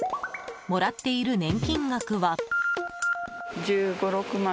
もらっている年金額は。